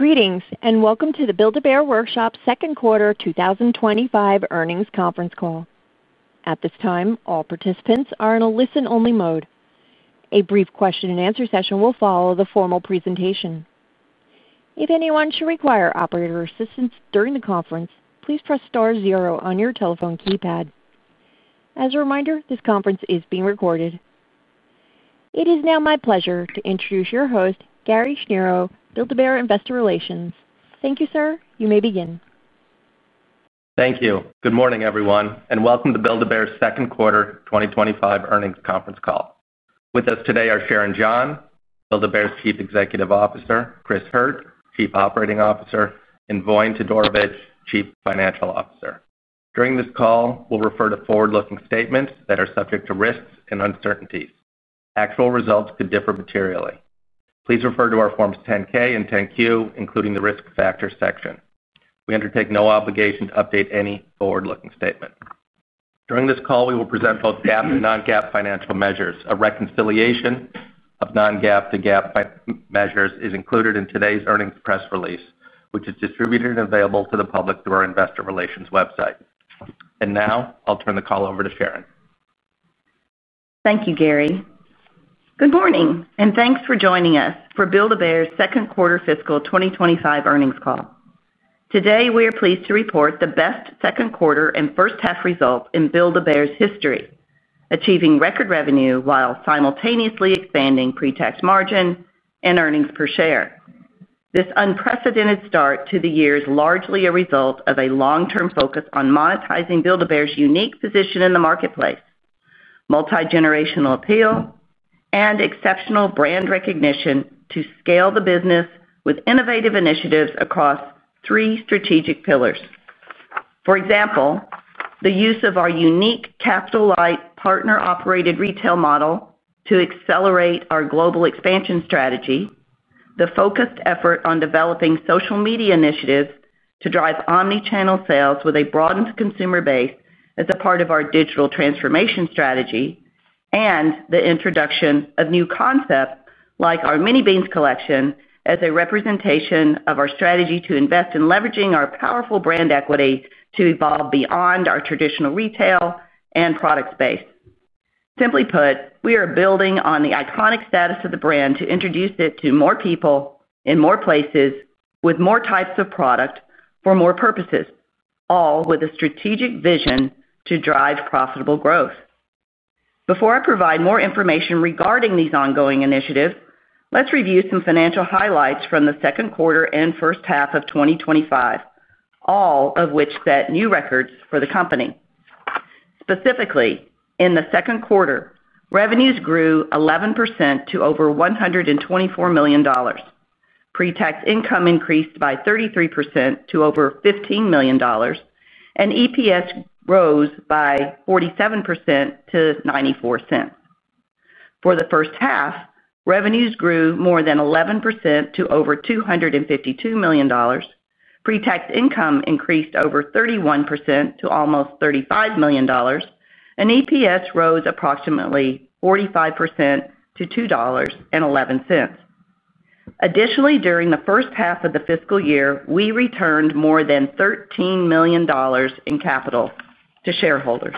Greetings and welcome to the Build-A-Bear Workshop Second Quarter 2025 Earnings Conference Call. At this time, all participants are in a listen-only mode. A brief question and answer session will follow the formal presentation. If anyone should require operator assistance during the conference, please press star zero on your telephone keypad. As a reminder, this conference is being recorded. It is now my pleasure to introduce your host, Gary Schnierow, Build-A-Bear Investor Relations. Thank you, sir. You may begin. Thank you. Good morning, everyone, and welcome to Build-A-Bear Workshop's Second Quarter 2025 Earnings Conference Call. With us today are Sharon John, Build-A-Bear Workshop's Chief Executive Officer, Chris Hurt, Chief Operating Officer, and Voin Todorovic, Chief Financial Officer. During this call, we'll refer to forward-looking statements that are subject to risks and uncertainty. Actual results could differ materially. Please refer to our Forms 10-K and 10-Q, including the risk factors section. We undertake no obligation to update any forward-looking statement. During this call, we will present both GAAP and non-GAAP financial measures. A reconciliation of non-GAAP to GAAP measures is included in today's earnings press release, which is distributed and available to the public through our Investor Relations website. I'll turn the call over to Sharon. Thank you, Gary. Good morning and thanks for joining us for Build-A-Bear Workshop's Second Quarter Fiscal 2025 Earnings Call. Today, we are pleased to report the best second quarter and first half result in Build-A-Bear's history, achieving record revenue while simultaneously expanding pre-tax margin and earnings per share. This unprecedented start to the year is largely a result of a long-term focus on monetizing Build-A-Bear's unique position in the marketplace, multigenerational appeal, and exceptional brand recognition to scale the business with innovative initiatives across three strategic pillars. For example, the use of our unique capital-light, partner-operated retail model to accelerate our global expansion strategy, the focused effort on developing social media initiatives to drive omnichannel sales with a broadened consumer base as a part of our digital transformation strategy, and the introduction of new concepts like our mini beans collection as a representation of our strategy to invest in leveraging our powerful brand equity to evolve beyond our traditional retail and product space. Simply put, we are building on the iconic status of the brand to introduce it to more people in more places with more types of product for more purposes, all with a strategic vision to drive profitable growth. Before I provide more information regarding these ongoing initiatives, let's review some financial highlights from the second quarter and first half of 2025, all of which set new records for the company. Specifically, in the second quarter, revenues grew 11% to over $124 million, pre-tax income increased by 33% to over $15 million, and EPS rose by 47% to $0.94. For the first half, revenues grew more than 11% to over $252 million, pre-tax income increased over 31% to almost $35 million, and EPS rose approximately 45% to $2.11. Additionally, during the first half of the fiscal year, we returned more than $13 million in capital to shareholders.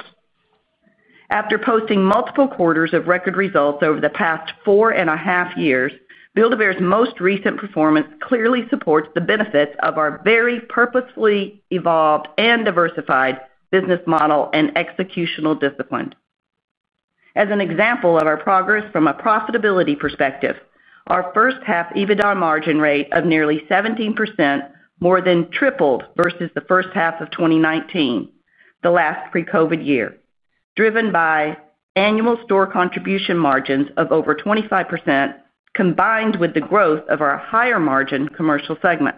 After posting multiple quarters of record results over the past four and a half years, Build-A-Bear's most recent performance clearly supports the benefits of our very purposefully evolved and diversified business model and executional discipline. As an example of our progress from a profitability perspective, our first half EBITDA margin rate of nearly 17% more than tripled versus the first half of 2019, the last pre-COVID year, driven by annual store contribution margins of over 25% combined with the growth of our higher margin commercial segment.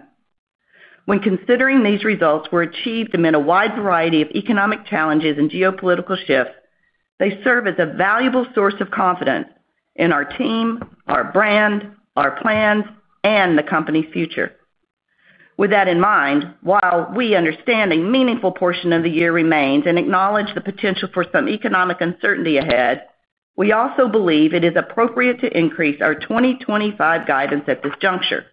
When considering these results were achieved amid a wide variety of economic challenges and geopolitical shifts, they serve as a valuable source of confidence in our team, our brand, our plans, and the company's future. With that in mind, while we understand a meaningful portion of the year remains and acknowledge the potential for some economic uncertainty ahead, we also believe it is appropriate to increase our 2025 guidance at this juncture.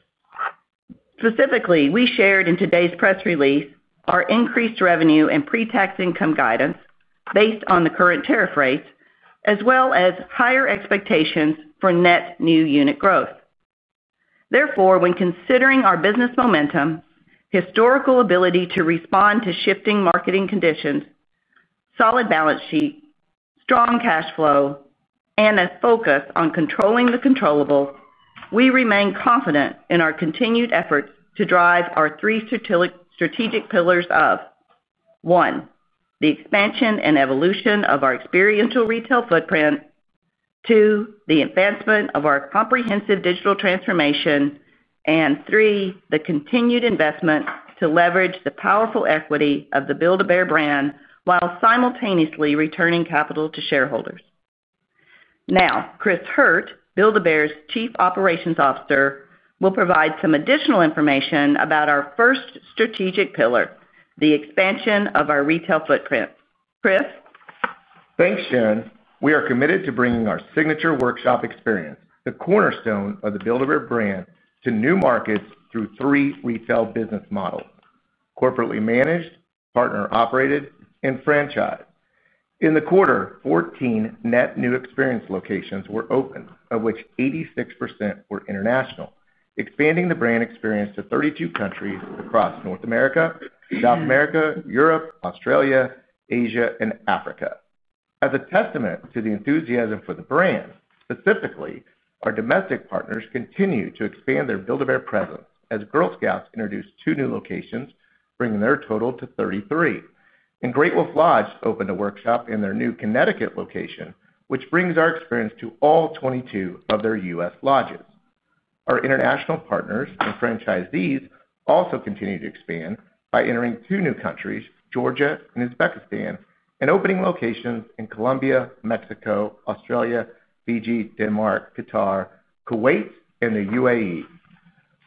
Specifically, we shared in today's press release our increased revenue and pre-tax income guidance based on the current tariff rates, as well as higher expectations for net new unit growth. Therefore, when considering our business momentum, historical ability to respond to shifting marketing conditions, solid balance sheet, strong cash flow, and a focus on controlling the controllables, we remain confident in our continued efforts to drive our three strategic pillars of: one, the expansion and evolution of our experiential retail footprint; two, the advancement of our comprehensive digital transformation; and three, the continued investment to leverage the powerful equity of the Build-A-Bear brand while simultaneously returning capital to shareholders. Now, Chris Hurt, Build-A-Bear's Chief Operating Officer, will provide some additional information about our first strategic pillar, the expansion of our retail footprint. Chris? Thanks, Sharon. We are committed to bringing our signature workshop experience, the cornerstone of the Build-A-Bear brand, to new markets through three retail business models: corporately managed, partner-operated, and franchised. In the quarter, 14 net new experience locations were opened, of which 86% were international, expanding the brand experience to 32 countries across North America, South America, Europe, Australia, Asia, and Africa. As a testament to the enthusiasm for the brand, specifically, our domestic partners continue to expand their Build-A-Bear presence as Girl Scouts introduced two new locations, bringing their total to 33, and Great Wolf Lodge opened a workshop in their new Connecticut location, which brings our experience to all 22 of their U.S. lodges. Our international partners and franchisees also continue to expand by entering two new countries, Georgia and Uzbekistan, and opening locations in Colombia, Mexico, Australia, Fiji, Denmark, Qatar, Kuwait, and the UAE.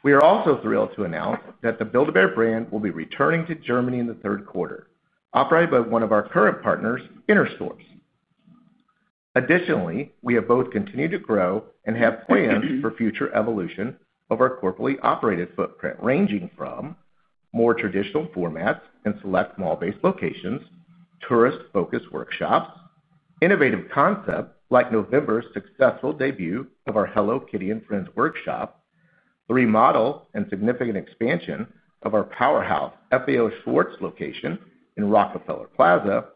We are also thrilled to announce that the Build-A-Bear brand will be returning to Germany in the third quarter, operated by one of our current partners, Intersource. Additionally, we have both continued to grow and have plans for future evolution of our corporately operated footprint, ranging from more traditional formats and select mall-based locations, tourist-focused workshops, innovative concepts like November's successful debut of our Hello Kitty and Friends workshop, the remodel and significant expansion of our powerhouse FAO Schwarz location in Rockefeller Plaza,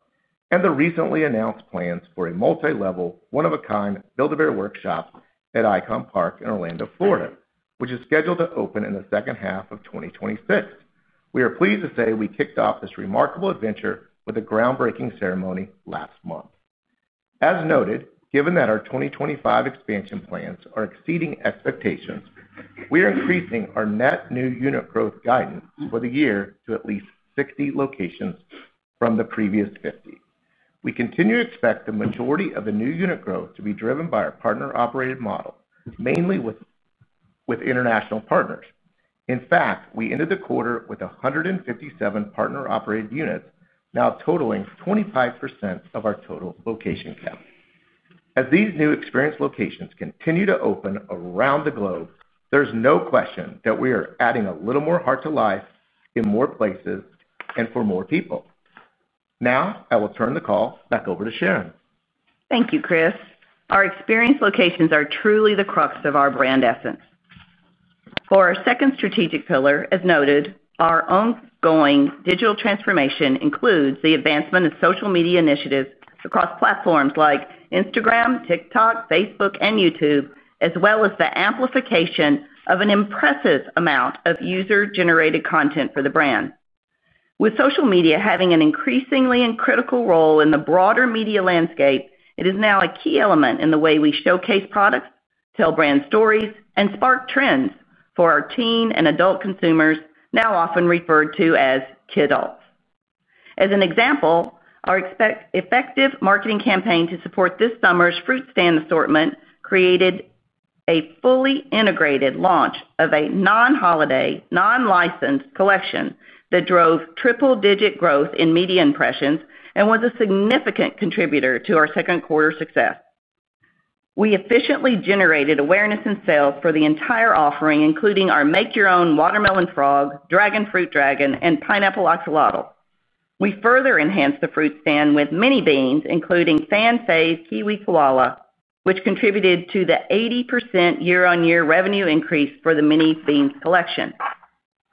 and the recently announced plans for a multi-level, one-of-a-kind Build-A-Bear workshop at Icon Park in Orlando, Florida, which is scheduled to open in the second half of 2026. We are pleased to say we kicked off this remarkable adventure with a groundbreaking ceremony last month. As noted, given that our 2025 expansion plans are exceeding expectations, we are increasing our net new unit growth guidance for the year to at least 60 locations from the previous 50. We continue to expect the majority of the new unit growth to be driven by our partner-operated model, mainly with international partners. In fact, we ended the quarter with 157 partner-operated units, now totaling 25% of our total location count. As these new experience locations continue to open around the globe, there's no question that we are adding a little more heart to life in more places and for more people. Now, I will turn the call back over to Sharon. Thank you, Chris. Our experience locations are truly the crux of our brand essence. For our second strategic pillar, as noted, our ongoing digital transformation includes the advancement of social media initiatives across platforms like Instagram, TikTok, Facebook, and YouTube, as well as the amplification of an impressive amount of user-generated content for the brand. With social media having an increasingly critical role in the broader media landscape, it is now a key element in the way we showcase products, tell brand stories, and spark trends for our teen and adult consumers, now often referred to as kidults. As an example, our effective marketing campaign to support this summer's fruit stand assortment created a fully integrated launch of a non-holiday, non-licensed collection that drove triple-digit growth in media impressions and was a significant contributor to our second quarter's success. We efficiently generated awareness and sales for the entire offering, including our make-your-own watermelon frog, dragon fruit dragon, and pineapple axolotl. We further enhanced the fruit stand with mini beans, including fan-favorite kiwi koala, which contributed to the 80% year-on-year revenue increase for the mini beans collection.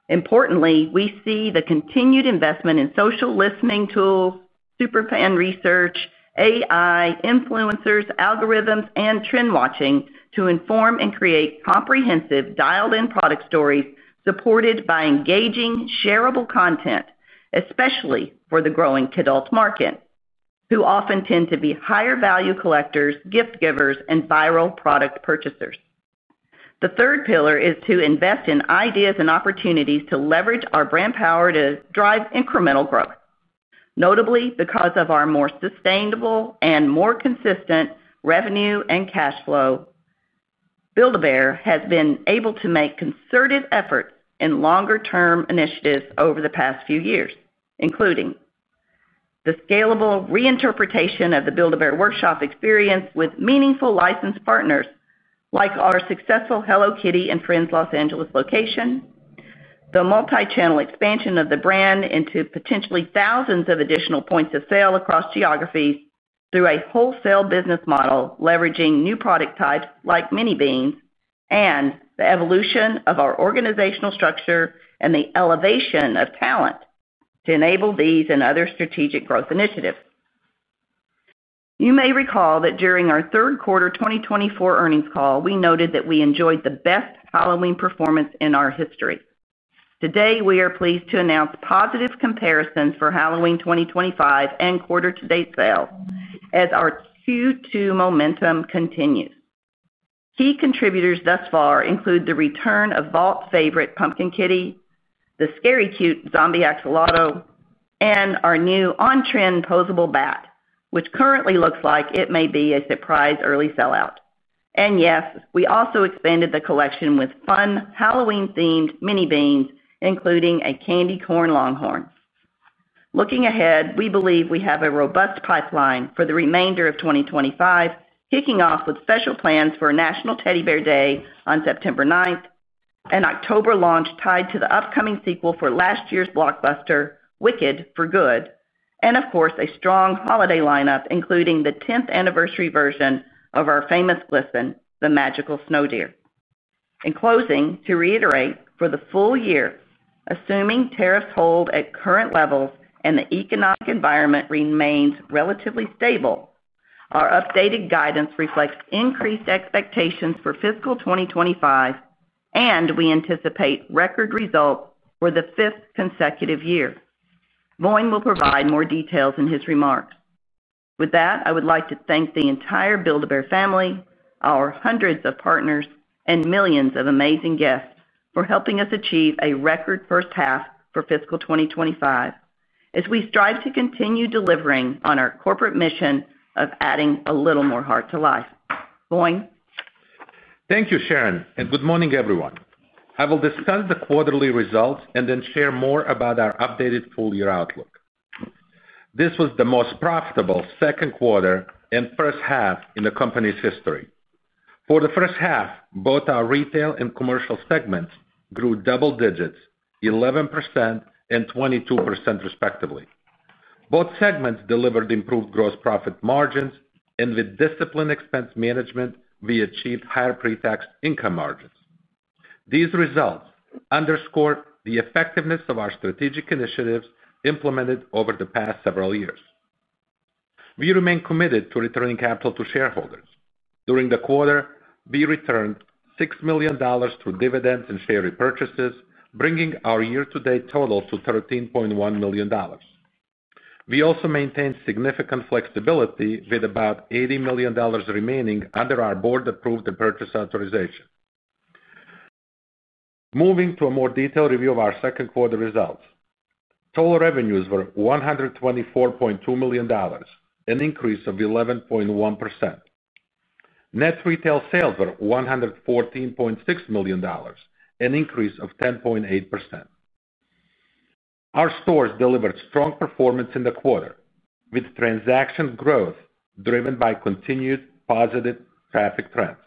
Importantly, we see the continued investment in social listening tools, superfan research, AI, influencers, algorithms, and trend watching to inform and create comprehensive dialed-in product stories supported by engaging, shareable content, especially for the growing kidults market, who often tend to be higher value collectors, gift givers, and viral product purchasers. The third pillar is to invest in ideas and opportunities to leverage our brand power to drive incremental growth. Notably, because of our more sustainable and more consistent revenue and cash flow, Build-A-Bear Workshop has been able to make concerted efforts in longer-term initiatives over the past few years, including the scalable reinterpretation of the Build-A-Bear Workshop experience with meaningful licensed partners like our successful Hello Kitty and Friends Los Angeles location, the multichannel expansion of the brand into potentially thousands of additional points of sale across geographies through a wholesale business model leveraging new product types like mini beans, and the evolution of our organizational structure and the elevation of talent to enable these and other strategic growth initiatives. You may recall that during our third quarter 2024 earnings call, we noted that we enjoyed the best Halloween performance in our history. Today, we are pleased to announce positive comparisons for Halloween 2025 and quarter-to-date sales as our Q2 momentum continues. Key contributors thus far include the return of vault favorite Pumpkin Kitty, the scary cute zombie axolotl, and our new on-trend posable bat, which currently looks like it may be a surprise early sell-out. Yes, we also expanded the collection with fun Halloween-themed mini beans, including a candy corn longhorn. Looking ahead, we believe we have a robust pipeline for the remainder of 2025, kicking off with special plans for National Teddy Bear Day on September 9th, an October launch tied to the upcoming sequel for last year's blockbuster, Wicked for Good, and a strong holiday lineup, including the 10th anniversary version of our famous glison, the magical snow deer. In closing, to reiterate, for the full year, assuming tariffs hold at current levels and the economic environment remains relatively stable, our updated guidance reflects increased expectations for fiscal 2025, and we anticipate record results for the fifth consecutive year. Voin will provide more details in his remarks. With that, I would like to thank the entire Build-A-Bear family, our hundreds of partners, and millions of amazing guests for helping us achieve a record first half for fiscal 2025 as we strive to continue delivering on our corporate mission of adding a little more heart to life. Voin? Thank you, Sharon, and good morning, everyone. I will discuss the quarterly results and then share more about our updated full-year outlook. This was the most profitable second quarter and first half in the company's history. For the first half, both our retail and commercial segments grew double digits, 11% and 22% respectively. Both segments delivered improved gross profit margins, and with disciplined expense management, we achieved higher pre-tax income margins. These results underscore the effectiveness of our strategic initiatives implemented over the past several years. We remain committed to returning capital to shareholders. During the quarter, we returned $6 million through dividends and share repurchases, bringing our year-to-date total to $13.1 million. We also maintained significant flexibility with about $80 million remaining under our board-approved purchase authorization. Moving to a more detailed review of our second-quarter results, total revenues were $124.2 million, an increase of 11.1%. Net retail sales were $114.6 million, an increase of 10.8%. Our stores delivered strong performance in the quarter, with transaction growth driven by continued positive traffic trends.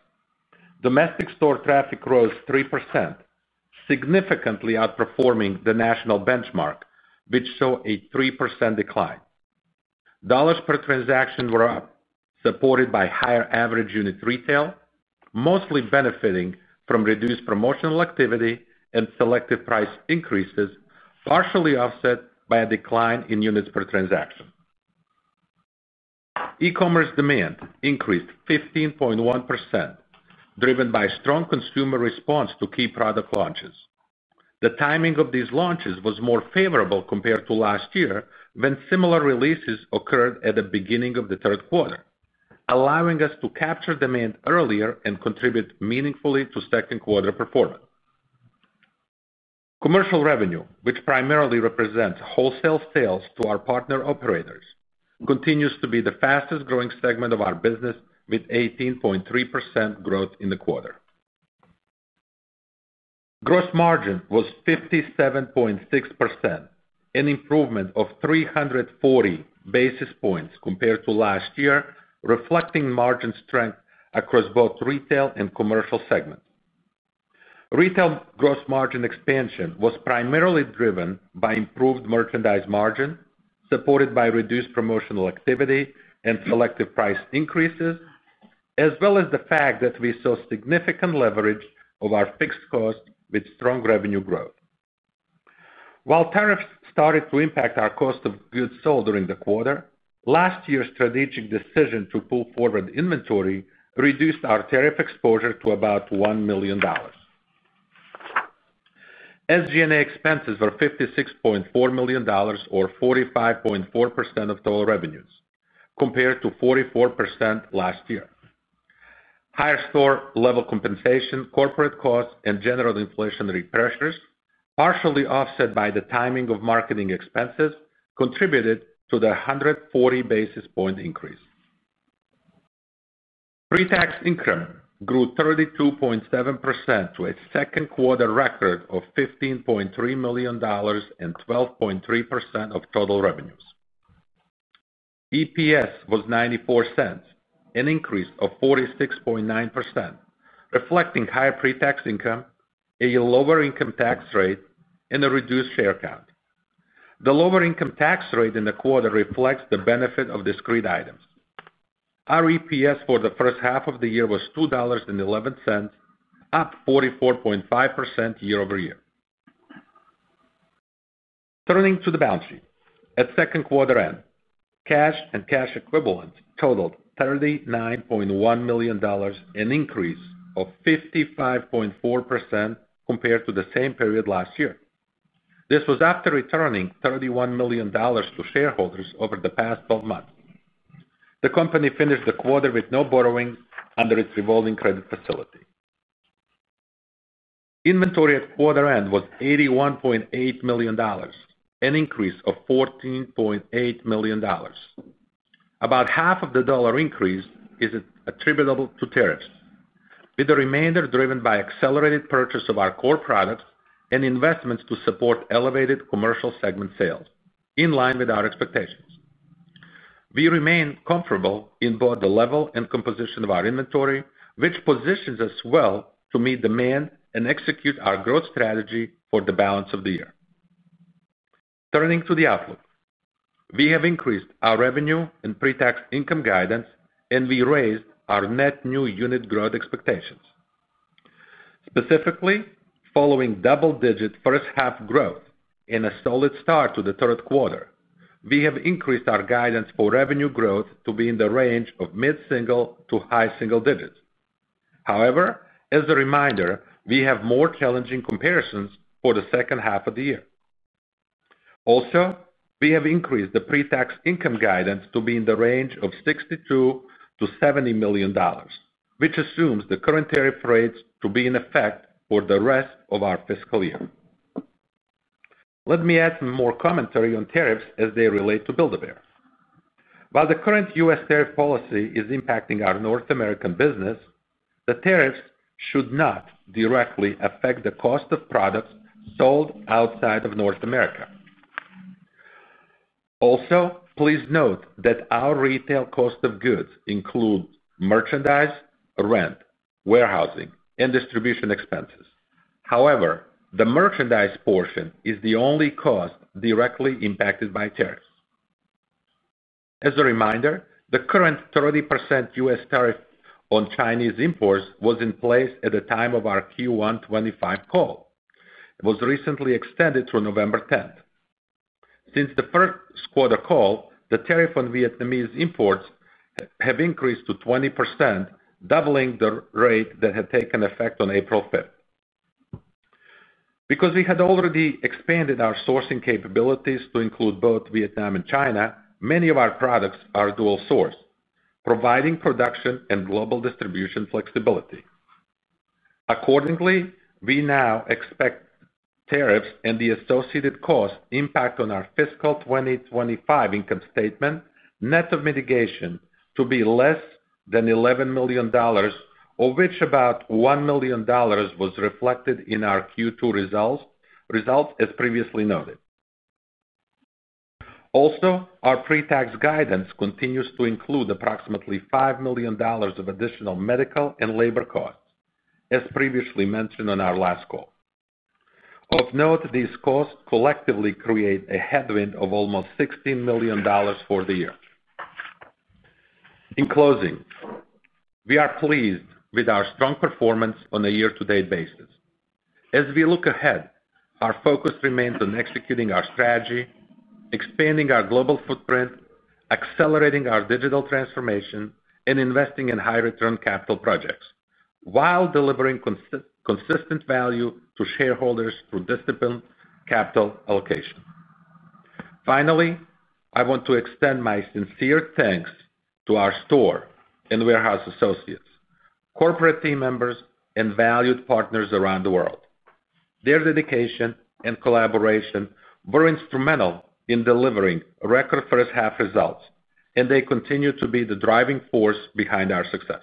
Domestic store traffic rose 3%, significantly outperforming the national benchmark, which showed a 3% decline. Dollars per transaction were up, supported by higher average unit retail, mostly benefiting from reduced promotional activity and selective price increases, partially offset by a decline in units per transaction. E-commerce demand increased 15.1%, driven by a strong consumer response to key product launches. The timing of these launches was more favorable compared to last year, when similar releases occurred at the beginning of the third quarter, allowing us to capture demand earlier and contribute meaningfully to second-quarter performance. Commercial revenue, which primarily represents wholesale sales to our partner operators, continues to be the fastest-growing segment of our business, with 18.3% growth in the quarter. Gross margin was 57.6%, an improvement of 340 basis points compared to last year, reflecting margin strength across both retail and commercial segments. Retail gross margin expansion was primarily driven by improved merchandise margin, supported by reduced promotional activity and selective price increases, as well as the fact that we saw significant leverage of our fixed cost with strong revenue growth. While tariffs started to impact our cost of goods sold during the quarter, last year's strategic decision to pull forward inventory reduced our tariff exposure to about $1 million. SG&A expenses were $56.4 million, or 45.4% of total revenues, compared to 44% last year. Higher store-level compensation, corporate costs, and general inflationary pressures, partially offset by the timing of marketing expenses, contributed to the 140 basis point increase. Pre-tax income grew 32.7% to a second-quarter record of $15.3 million and 12.3% of total revenues. EPS was $0.94, an increase of 46.9%, reflecting higher pre-tax income, a lower income tax rate, and a reduced share count. The lower income tax rate in the quarter reflects the benefit of discrete items. Our EPS for the first half of the year was $2.11, up 44.5% year-over-year. Turning to the balance sheet, at second quarter end, cash and cash equivalents totaled $39.1 million, an increase of 55.4% compared to the same period last year. This was after returning $31 million to shareholders over the past 12 months. The company finished the quarter with no borrowing under its revolving credit facility. Inventory at quarter end was $81.8 million, an increase of $14.8 million. About half of the dollar increase is attributable to tariffs, with the remainder driven by accelerated purchase of our core products and investments to support elevated commercial segment sales, in line with our expectations. We remain comfortable in both the level and composition of our inventory, which positions us well to meet demand and execute our growth strategy for the balance of the year. Turning to the outlook, we have increased our revenue and pre-tax income guidance, and we raised our net new unit growth expectations. Specifically, following double-digit first half growth and a solid start to the third quarter, we have increased our guidance for revenue growth to be in the range of mid-single to high single digits. However, as a reminder, we have more challenging comparisons for the second half of the year. Also, we have increased the pre-tax income guidance to be in the range of $62 million to $70 million, which assumes the current tariff rates to be in effect for the rest of our fiscal year. Let me add some more commentary on tariffs as they relate to Build-A-Bear Workshop. While the current U.S. tariff policy is impacting our North American business, the tariffs should not directly affect the cost of products sold outside of North America. Also, please note that our retail cost of goods includes merchandise, rent, warehousing, and distribution expenses. However, the merchandise portion is the only cost directly impacted by tariffs. As a reminder, the current 30% U.S. tariff on Chinese imports was in place at the time of our Q1 2025 call and was recently extended through November 10. Since the first quarter call, the tariff on Vietnamese imports has increased to 20%, doubling the rate that had taken effect on April 5. Because we had already expanded our sourcing capabilities to include both Vietnam and China, many of our products are dual sourced, providing production and global distribution flexibility. Accordingly, we now expect tariffs and the associated cost impact on our fiscal 2025 income statement net of mitigation to be less than $11 million, of which about $1 million was reflected in our Q2 results, as previously noted. Also, our pre-tax guidance continues to include approximately $5 million of additional medical and labor costs, as previously mentioned on our last call. Of note, these costs collectively create a headwind of almost $16 million for the year. In closing, we are pleased with our strong performance on a year-to-date basis. As we look ahead, our focus remains on executing our strategy, expanding our global footprint, accelerating our digital transformation, and investing in high-return capital projects while delivering consistent value to shareholders through disciplined capital allocation. Finally, I want to extend my sincere thanks to our store and warehouse associates, corporate team members, and valued partners around the world. Their dedication and collaboration were instrumental in delivering record first half results, and they continue to be the driving force behind our success.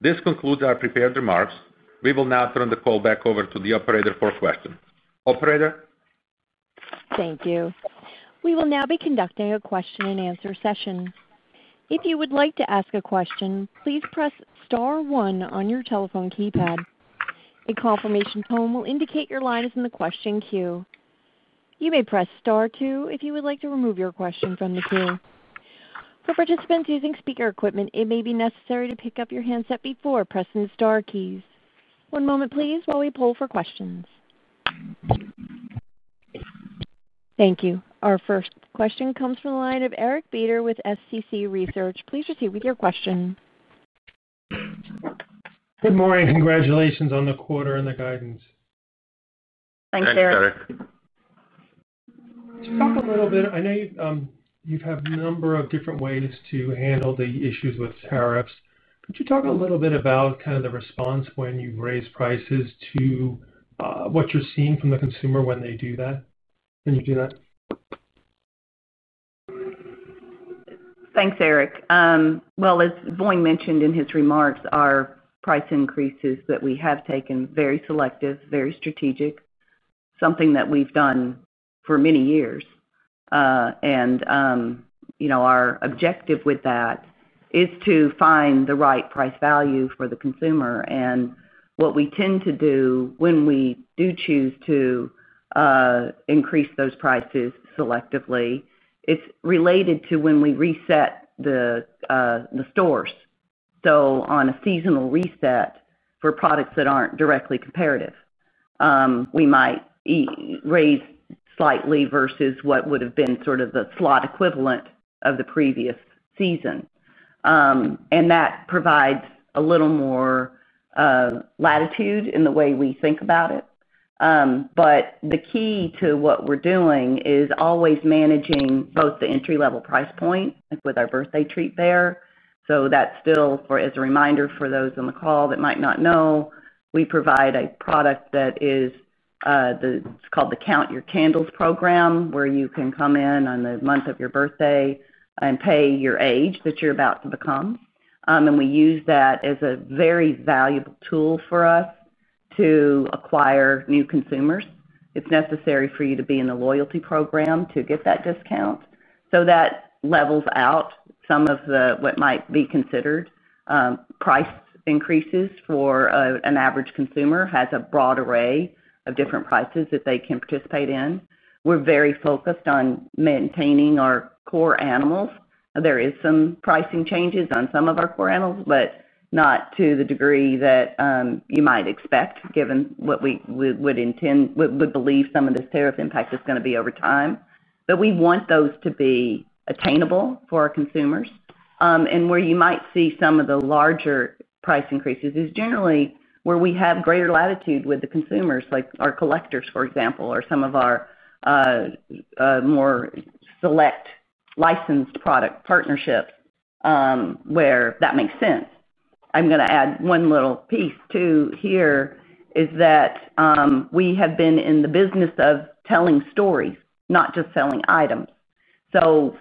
This concludes our prepared remarks. We will now turn the call back over to the operator for questions. Operator? Thank you. We will now be conducting a question and answer session. If you would like to ask a question, please press star one on your telephone keypad. A confirmation tone will indicate your line is in the question queue. You may press star two if you would like to remove your question from the queue. For participants using speaker equipment, it may be necessary to pick up your handset before pressing the star keys. One moment, please, while we poll for questions. Thank you. Our first question comes from the line of Eric Beder with SCC Research. Please proceed with your question. Good morning. Congratulations on the quarter and the guidance. Thanks, Eric. Thanks, Eric. Thank you. Could you talk a little bit about the response when you raise prices, what you're seeing from the consumer when they do that? Thanks, Eric. As Voin mentioned in his remarks, our price increases that we have taken are very selective, very strategic, something that we've done for many years. Our objective with that is to find the right price value for the consumer. What we tend to do when we do choose to increase those prices selectively, it's related to when we reset the stores. On a seasonal reset for products that aren't directly comparative, we might raise slightly versus what would have been sort of the slot equivalent of the previous season. That provides a little more latitude in the way we think about it. The key to what we're doing is always managing both the entry-level price point, like with our birthday treat there. As a reminder for those on the call that might not know, we provide a product that is called the Count Your Candles program, where you can come in on the month of your birthday and pay your age that you're about to become. We use that as a very valuable tool for us to acquire new consumers. It's necessary for you to be in the loyalty program to get that discount. That levels out some of what might be considered price increases for an average consumer who has a broad array of different prices that they can participate in. We're very focused on maintaining our core animals. There are some pricing changes on some of our core animals, but not to the degree that you might expect, given what we would believe some of this tariff impact is going to be over time. We want those to be attainable for our consumers. Where you might see some of the larger price increases is generally where we have greater latitude with the consumers, like our collectors, for example, or some of our more select licensed product partnerships, where that makes sense. I'm going to add one little piece too here is that we have been in the business of telling stories, not just selling items.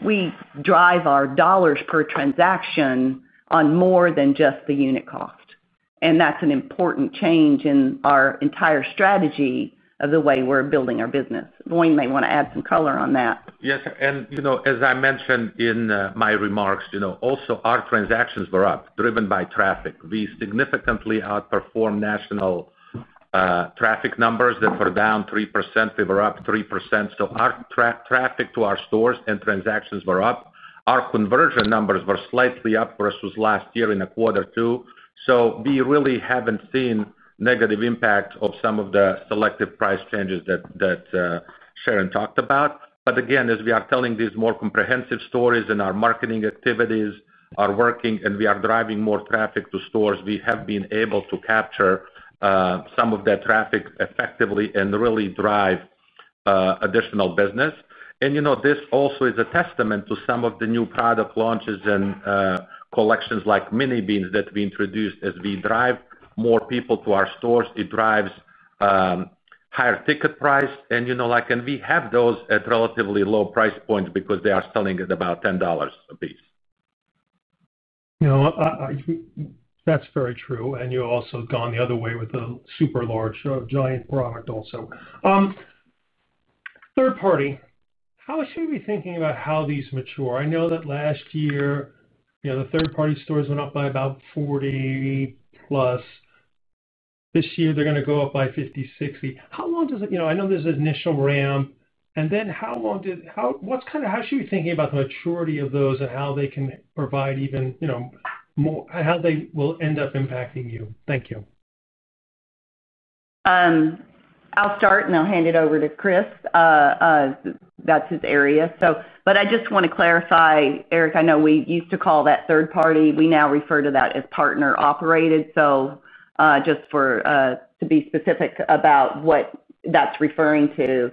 We drive our dollars per transaction on more than just the unit cost. That's an important change in our entire strategy of the way we're building our business. Voin may want to add some color on that. Yes, and as I mentioned in my remarks, our transactions were up, driven by traffic. We significantly outperformed national traffic numbers that were down 3%. We were up 3%. Our traffic to our stores and transactions were up. Our conversion numbers were slightly up versus last year in the quarter too. We really haven't seen a negative impact of some of the selective price changes that Sharon talked about. As we are telling these more comprehensive stories and our marketing activities are working and we are driving more traffic to stores, we have been able to capture some of that traffic effectively and really drive additional business. This also is a testament to some of the new product launches and collections like mini beans that we introduced. As we drive more people to our stores, it drives a higher ticket price, and we have those at relatively low price points because they are selling at about $10 apiece. That's very true. You also have gone the other way with a super large, giant product also. Third party, how should we be thinking about how these mature? I know that last year, you know, the third-party stores went up by about 40%. This year, they're going to go up by 50%, 60%. How long does it, you know, I know there's an initial round, and then how long did, how, what's kind of, how should we be thinking about the maturity of those and how they can provide even, you know, more, how they will end up impacting you? Thank you. I'll start and I'll hand it over to Chris. That's his area. I just want to clarify, Eric, I know we used to call that third party. We now refer to that as partner operated. Just to be specific about what that's referring to,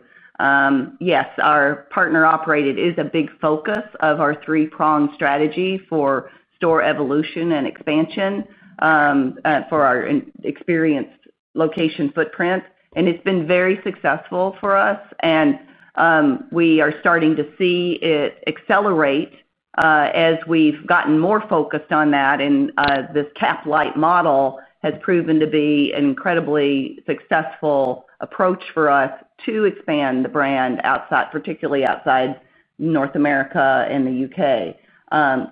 yes, our partner operated is a big focus of our three-prong strategy for store evolution and expansion for our experienced location footprint. It's been very successful for us. We are starting to see it accelerate as we've gotten more focused on that. This capital-light, partner-operated retail model has proven to be an incredibly successful approach for us to expand the brand, particularly outside North America and the U.K.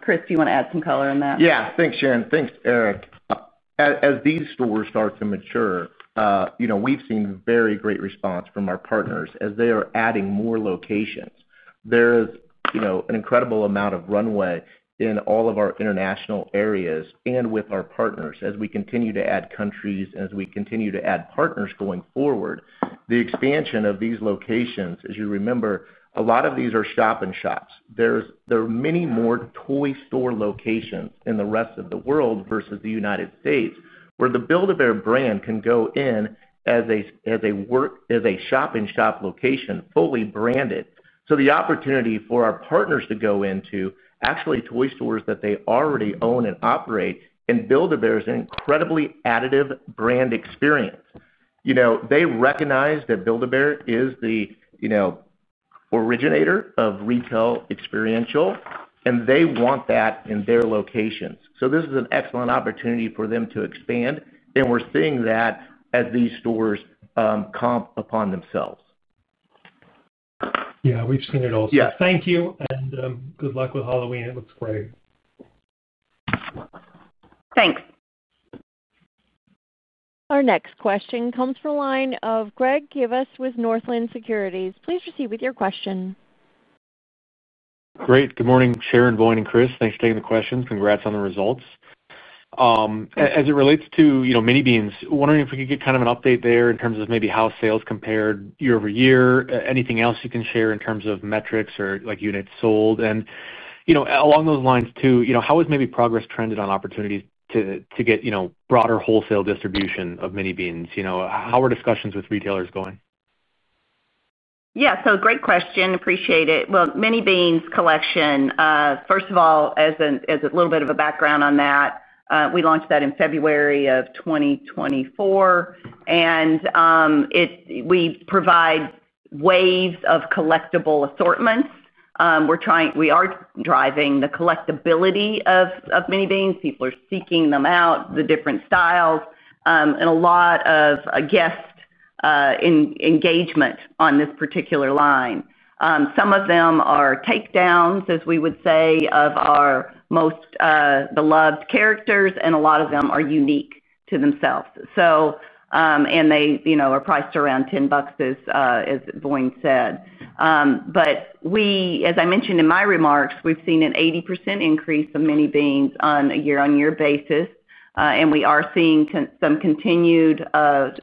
Chris, do you want to add some color on that? Yeah, thanks, Sharon. Thanks, Eric. As these stores start to mature, we've seen very great response from our partners as they are adding more locations. There is an incredible amount of runway in all of our international areas and with our partners. As we continue to add countries and as we continue to add partners going forward, the expansion of these locations, as you remember, a lot of these are shop-in-shops. There are many more toy store locations in the rest of the world versus the United States, where the Build-A-Bear brand can go in as a shop-in-shop location fully branded. The opportunity for our partners to go into actually toy stores that they already own and operate in Build-A-Bear is an incredibly additive brand experience. They recognize that Build-A-Bear is the originator of retail experiential, and they want that in their locations. This is an excellent opportunity for them to expand. We're seeing that as these stores comp upon themselves. Yeah, we've seen it also. Thank you. Good luck with Halloween. It looks great. Thanks. Our next question comes from a line of Greg Gibas with Northland Securities. Please proceed with your question. Great. Good morning, Sharon, Voin, and Chris. Thanks for taking the questions. Congrats on the results. As it relates to, you know, mini beans, wondering if we could get kind of an update there in terms of maybe how sales compared year-over-year. Anything else you can share in terms of metrics or like units sold? Along those lines too, you know, how has maybe progress trended on opportunities to get, you know, broader wholesale distribution of mini beans? How are discussions with retailers going? Yeah, great question. Appreciate it. The mini beans collection, first of all, as a little bit of a background on that, we launched that in February of 2024. We provide waves of collectible assortments. We're trying, we are driving the collectability of mini beans. People are seeking them out, the different styles, and a lot of guest engagement on this particular line. Some of them are takedowns, as we would say, of our most beloved characters, and a lot of them are unique to themselves. They are priced around $10, as Voin said. As I mentioned in my remarks, we've seen an 80% increase of mini beans on a year-on-year basis. We are seeing some continued, I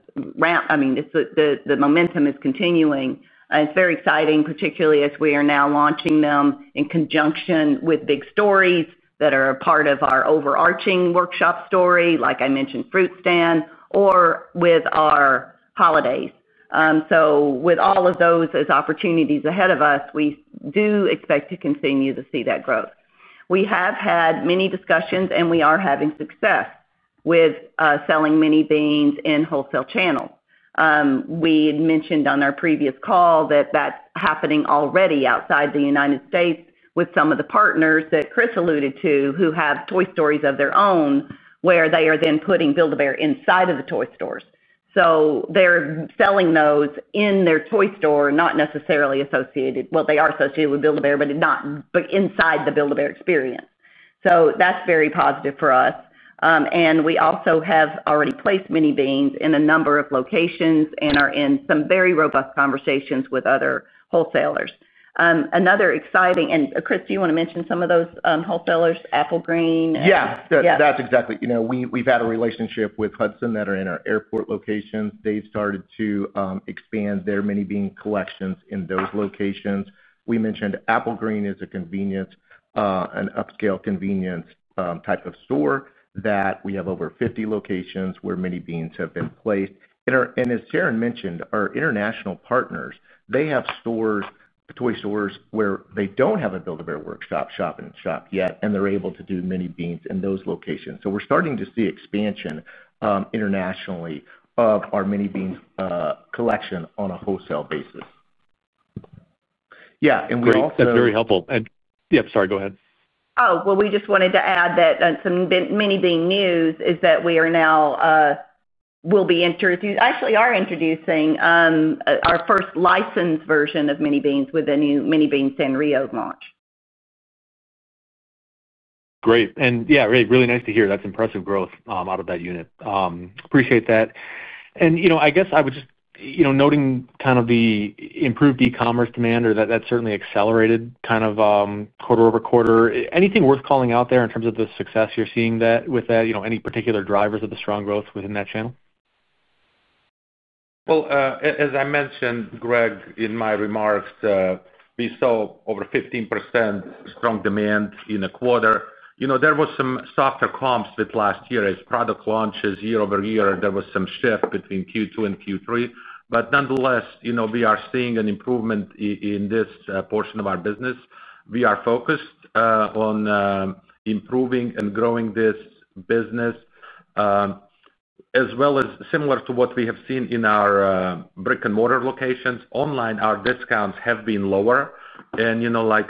mean, the momentum is continuing. It's very exciting, particularly as we are now launching them in conjunction with big stories that are a part of our overarching workshop story, like I mentioned, fruit stand, or with our holidays. With all of those as opportunities ahead of us, we do expect to continue to see that growth. We have had many discussions, and we are having success with selling mini beans in wholesale channels. We had mentioned on our previous call that that's happening already outside the United States with some of the partners that Chris alluded to who have toy stores of their own, where they are then putting Build-A-Bear inside of the toy stores. They're selling those in their toy store, not necessarily associated, well, they are associated with Build-A-Bear, but not inside the Build-A-Bear experience. That's very positive for us. We also have already placed mini beans in a number of locations and are in some very robust conversations with other wholesalers. Another exciting, and Chris, do you want to mention some of those wholesalers? Applegreen? Yeah, that's exactly, you know, we've had a relationship with Hudson that are in our airport locations. They've started to expand their mini beans collections in those locations. We mentioned Applegreen is a convenience, an upscale convenience type of store that we have over 50 locations where mini beans have been placed. As Sharon mentioned, our international partners, they have stores, toy stores where they don't have a Build-A-Bear Workshop yet, and they're able to do mini beans in those locations. We're starting to see expansion internationally of our mini beans collection on a wholesale basis. Yeah, and we're also. That's very helpful. Yeah, sorry, go ahead. We just wanted to add that some mini beans news is that we are now introducing our first licensed version of mini beans with a new mini beans Sanrio launch. Great. That's impressive growth out of that unit. Appreciate that. I guess I would just, noting kind of the improved e-commerce demand or that certainly accelerated quarter over quarter. Anything worth calling out there in terms of the success you're seeing with that, any particular drivers of the strong growth within that channel? As I mentioned, Greg, in my remarks, we saw over 15% strong demand in a quarter. There were some softer comps with last year as product launches year-over-year. There was some shift between Q2 and Q3. Nonetheless, we are seeing an improvement in this portion of our business. We are focused on improving and growing this business. Similar to what we have seen in our brick-and-mortar locations, online, our discounts have been lower.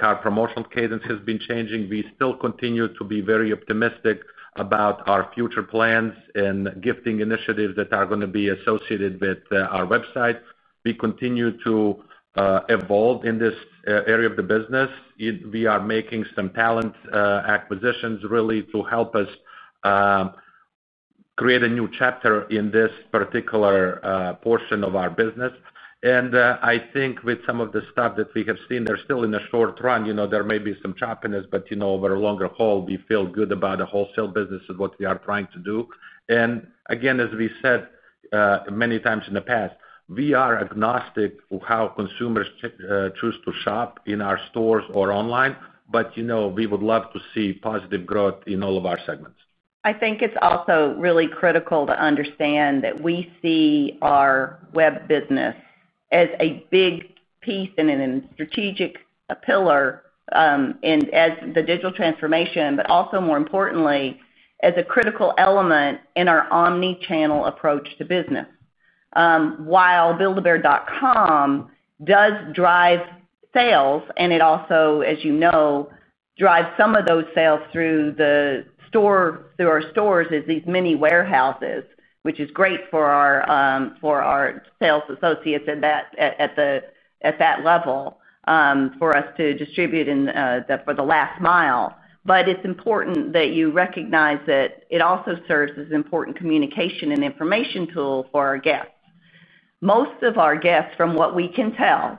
Our promotional cadence has been changing. We still continue to be very optimistic about our future plans and gifting initiatives that are going to be associated with our website. We continue to evolve in this area of the business. We are making some talent acquisitions to help us create a new chapter in this particular portion of our business. I think with some of the stuff that we have seen, they're still in a short run. There may be some choppiness, but over a longer haul, we feel good about the wholesale business and what we are trying to do. As we said many times in the past, we are agnostic of how consumers choose to shop in our stores or online. We would love to see positive growth in all of our segments. I think it's also really critical to understand that we see our web business as a big piece and a strategic pillar, and as the digital transformation, but also more importantly, as a critical element in our omnichannel approach to business. While buildabear.com does drive sales, it also, as you know, drives some of those sales through the store, through our stores as these mini warehouses, which is great for our sales associates and at that level for us to distribute for the last mile. It's important that you recognize that it also serves as an important communication and information tool for our guests. Most of our guests, from what we can tell,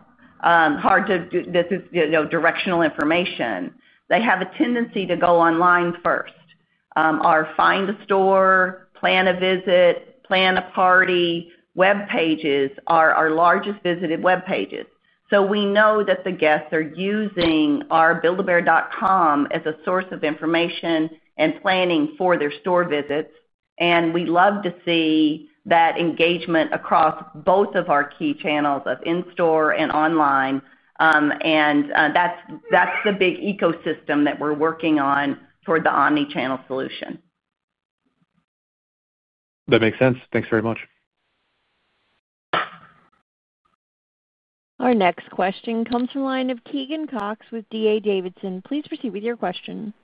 they have a tendency to go online first. Our find a store, plan a visit, plan a party web pages are our largest visited web pages. We know that the guests are using our buildabear.com as a source of information and planning for their store visits. We love to see that engagement across both of our key channels of in-store and online. That's the big ecosystem that we're working on toward the omnichannel solution. That makes sense. Thanks very much. Our next question comes from a line of Keegan Cox with D.A. Davidson. Please proceed with your question.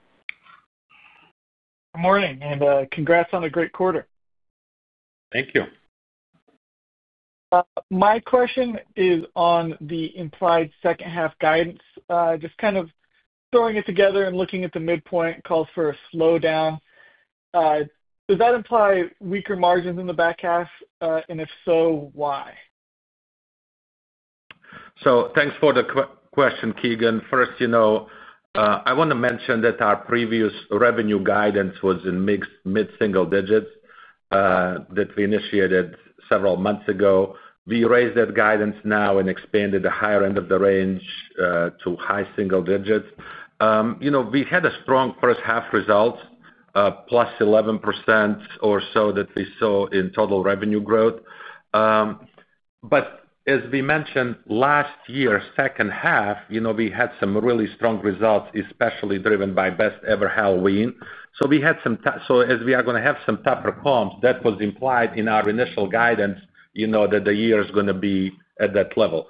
Good morning, and congrats on a great quarter. Thank you. My question is on the implied second half guidance. Just kind of throwing it together and looking at the midpoint calls for a slowdown. Does that imply weaker margins in the back half? If so, why? Thanks for the question, Keegan. First, I want to mention that our previous revenue guidance was in mid-single digits that we initiated several months ago. We raised that guidance now and expanded the higher end of the range to high single digits. We had a strong first half result, +11% or so that we saw in total revenue growth. As we mentioned, last year's second half, we had some really strong results, especially driven by Best Ever Halloween. We are going to have some tougher comps, that was implied in our initial guidance, that the year is going to be at that level.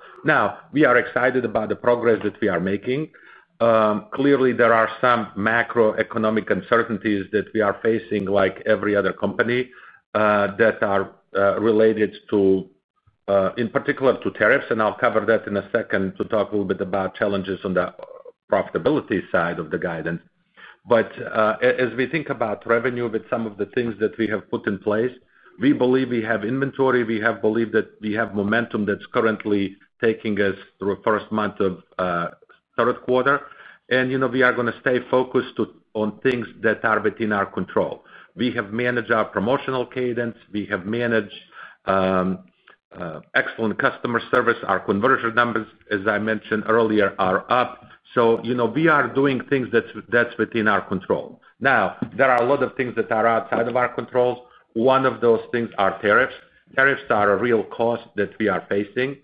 We are excited about the progress that we are making. Clearly, there are some macroeconomic uncertainties that we are facing, like every other company, that are related in particular to tariffs. I'll cover that in a second to talk a little bit about challenges on the profitability side of the guidance. As we think about revenue with some of the things that we have put in place, we believe we have inventory. We believe that we have momentum that's currently taking us through the first month of the third quarter. We are going to stay focused on things that are within our control. We have managed our promotional cadence. We have managed excellent customer service. Our conversion numbers, as I mentioned earlier, are up. We are doing things that are within our control. There are a lot of things that are outside of our control. One of those things is tariffs. Tariffs are a real cost that we are facing.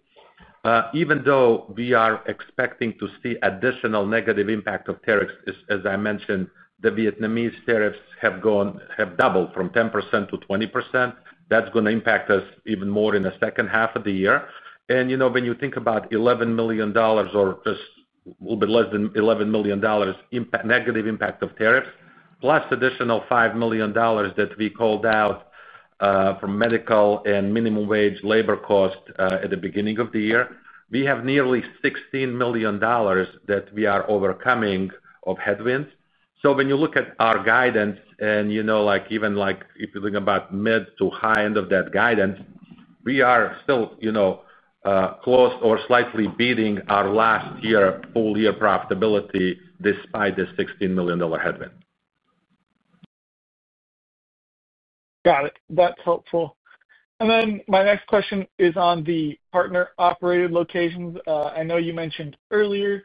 Even though we are expecting to see additional negative impact of tariffs, as I mentioned, the Vietnamese tariffs have doubled from 10%-20%. That's going to impact us even more in the second half of the year. When you think about $11 million or just a little bit less than $11 million impact, negative impact of tariffs, plus additional $5 million that we called out from medical and minimum wage labor cost at the beginning of the year, we have nearly $16 million that we are overcoming of headwinds. When you look at our guidance, even if you think about mid to high end of that guidance, we are still close or slightly beating our last year, full year profitability despite this $16 million headwind. Got it. That's helpful. My next question is on the partner-operated locations. I know you mentioned earlier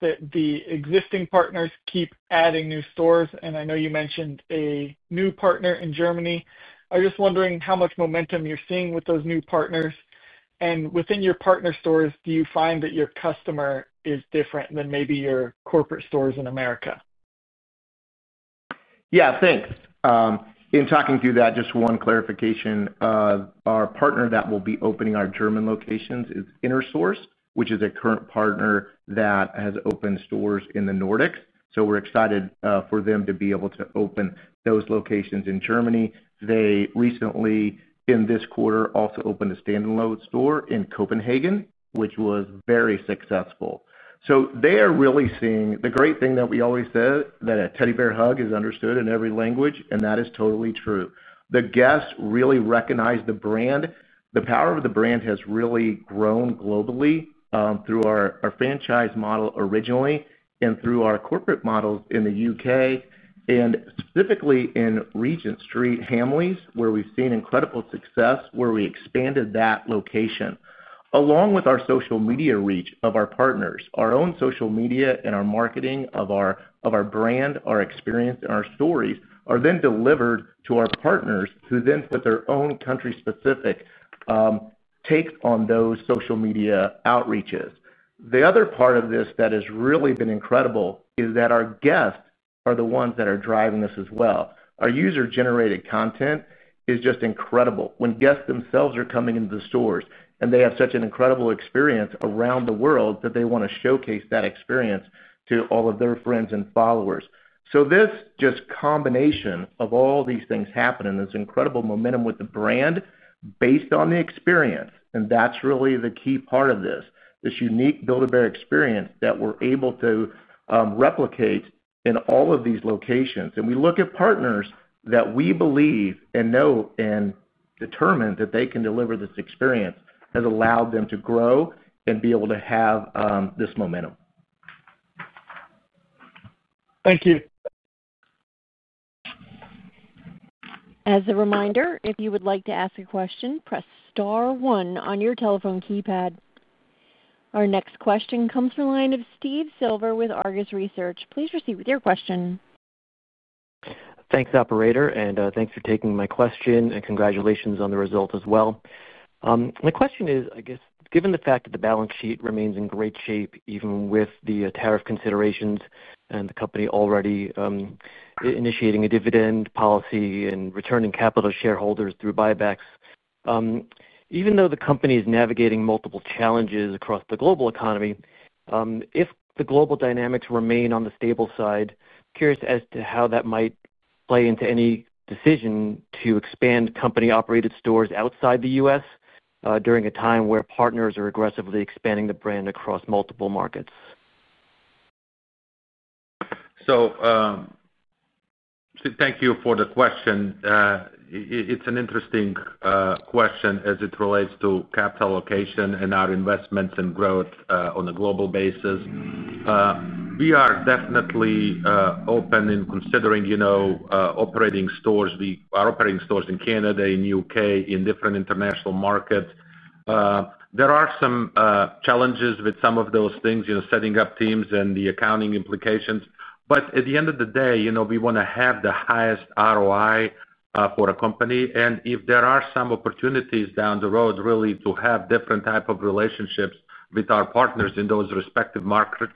that the existing partners keep adding new stores, and I know you mentioned a new partner in Germany. I'm just wondering how much momentum you're seeing with those new partners. Within your partner stores, do you find that your customer is different than maybe your corporate stores in America? Yeah, thanks. In talking through that, just one clarification. Our partner that will be opening our German locations is Intersource, which is a current partner that has opened stores in the Nordic. We're excited for them to be able to open those locations in Germany. They recently, in this quarter, also opened a standalone store in Copenhagen, which was very successful. They are really seeing the great thing that we always say, that a teddy bear hug is understood in every language, and that is totally true. The guests really recognize the brand. The power of the brand has really grown globally through our franchise model originally and through our corporate model in the U.K., and specifically in Regent Street, Hamley's, where we've seen incredible success, where we expanded that location. Along with our social media reach of our partners, our own social media and our marketing of our brand, our experience, and our stories are then delivered to our partners, who then put their own country-specific takes on those social media outreaches. The other part of this that has really been incredible is that our guests are the ones that are driving this as well. Our user-generated content is just incredible. When guests themselves are coming into the stores, and they have such an incredible experience around the world that they want to showcase that experience to all of their friends and followers. This combination of all these things happens in this incredible momentum with the brand based on the experience. That's really the key part of this, this unique Build-A-Bear experience that we're able to replicate in all of these locations. We look at partners that we believe and know and determine that they can deliver this experience, which has allowed them to grow and be able to have this momentum. Thank you. As a reminder, if you would like to ask a question, press star one on your telephone keypad. Our next question comes from a line of Steve Silver with Argus Research. Please proceed with your question. Thanks, operator, and thanks for taking my question, and congratulations on the result as well. My question is, I guess, given the fact that the balance sheet remains in great shape, even with the tariff considerations and the company already initiating a dividend policy and returning capital to shareholders through buybacks, even though the company is navigating multiple challenges across the global economy, if the global dynamics remain on the stable side, curious as to how that might play into any decision to expand company-operated stores outside the U.S. during a time where partners are aggressively expanding the brand across multiple markets. Thank you for the question. It's an interesting question as it relates to capital location and our investments and growth on a global basis. We are definitely open in considering, you know, operating stores. We are operating stores in Canada, in the U.K., in different international markets. There are some challenges with some of those things, setting up teams and the accounting implications. At the end of the day, we want to have the highest ROI for our company. If there are some opportunities down the road, really to have different types of relationships with our partners in those respective markets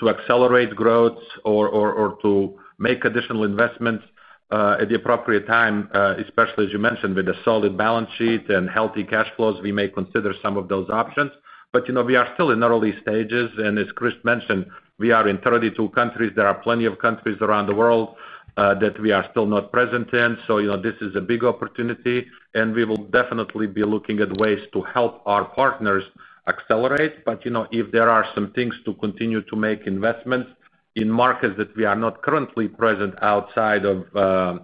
to accelerate growth or to make additional investments at the appropriate time, especially as you mentioned with a solid balance sheet and healthy cash flows, we may consider some of those options. We are still in early stages. As Chris mentioned, we are in 32 countries. There are plenty of countries around the world that we are still not present in. This is a big opportunity. We will definitely be looking at ways to help our partners accelerate. If there are some things to continue to make investments in markets that we are not currently present outside of the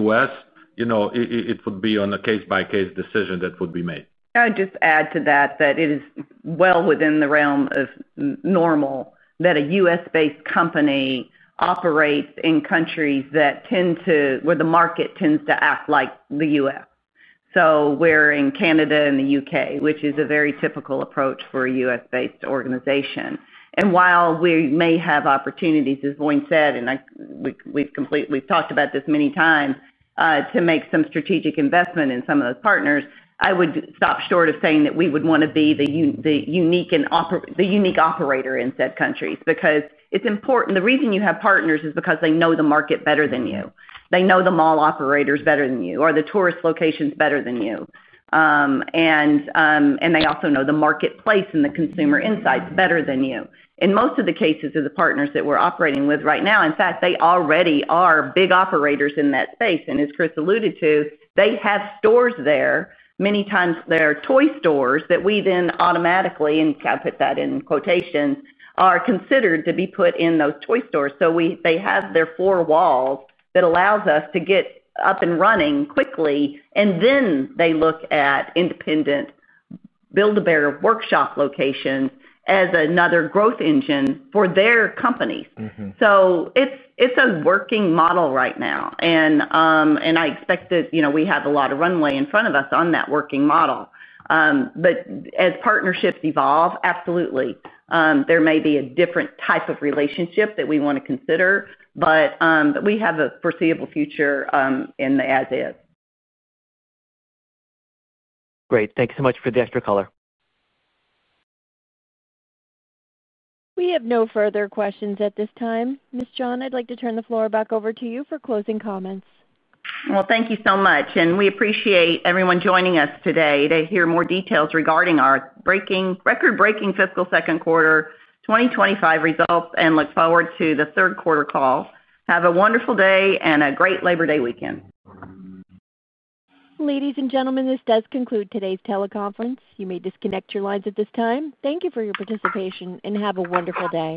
U.S., it would be on a case-by-case decision that would be made. I'd just add to that that it is well within the realm of normal that a U.S.-based company operates in countries that tend to, where the market tends to act like the U.S. We're in Canada and the U.K., which is a very typical approach for a U.S.-based organization. While we may have opportunities, as Voin said, and we've talked about this many times, to make some strategic investment in some of those partners, I would stop short of saying that we would want to be the unique operator in said countries. It's important, the reason you have partners is because they know the market better than you. They know the mall operators better than you, or the tourist locations better than you. They also know the marketplace and the consumer insights better than you. In most of the cases of the partners that we're operating with right now, in fact, they already are big operators in that space. As Chris alluded to, they have stores there, many times they're toy stores that we then automatically, and I put that in quotations, are considered to be put in those toy stores. They have their four walls that allow us to get up and running quickly. They look at independent Build-A-Bear Workshop locations as another growth engine for their companies. It's a working model right now. I expect that, you know, we have a lot of runway in front of us on that working model. As partnerships evolve, absolutely, there may be a different type of relationship that we want to consider. We have a foreseeable future in the as-is. Great, thanks so much for the extra color. We have no further questions at this time. Ms. John, I'd like to turn the floor back over to you for closing comments. Thank you so much. We appreciate everyone joining us today to hear more details regarding our record-breaking fiscal second quarter 2025 results and look forward to the third quarter call. Have a wonderful day and a great Labor Day weekend. Ladies and gentlemen, this does conclude today's teleconference. You may disconnect your lines at this time. Thank you for your participation and have a wonderful day.